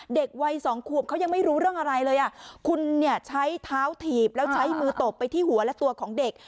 เด็กวัยสองขวบเขายังไม่รู้เรื่องอะไรเลยอ่ะคุณเนี่ยใช้เท้าถีบแล้วใช้มือตบไปที่หัวและตัวของเด็ก